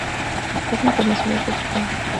Es internacional por su país.